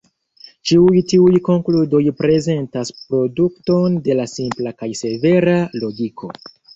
Ĉiuj tiuj konkludoj prezentas produkton de la simpla kaj severa logiko.